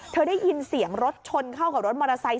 ได้ยินเสียงรถชนเข้ากับรถมอเตอร์ไซค